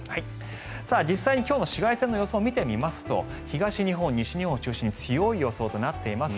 実際に今日の紫外線の予想を見てみますと東日本、西日本を中心に強い予想となっています。